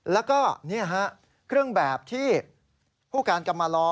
แล้วก็นี่ครับเครื่องแบบที่ผู้การกำมาลอ